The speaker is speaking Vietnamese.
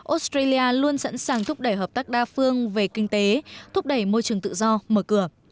australia luôn sẵn sàng thúc đẩy hợp tác đa phương về kinh tế thúc đẩy môi trường tự do mở cửa